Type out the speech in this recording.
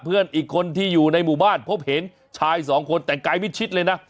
เพื่อนอีกคนที่อยู่ในหมู่บ้านพบเห็นชายสองคนแต่งกายมิดชิดเลยนะ